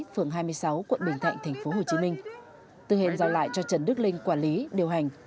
phường hai mươi sáu quận bình thạnh tp hcm từ hệ giao lại cho trần đức linh quản lý điều hành